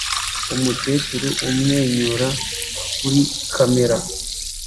umukecuru amwenyura kuri kamera